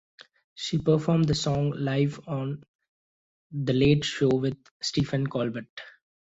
She performed the song live on "The Late Show with Stephen Colbert".